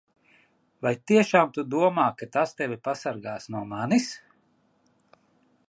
Vai tiešām tu domā, ka tas tevi pasargās no manis?